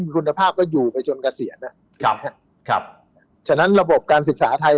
คุณภาพก็อยู่ไปจนเกษียณครับฉะนั้นระบบการศึกษาไทย